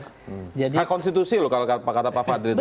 hak konstitusi loh kalau kata pak fadri tadi